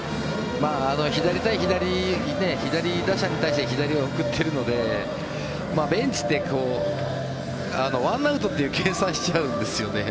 左対左、左打者に対して左を送っているのでベンチって１アウトという計算をしちゃうんですよね。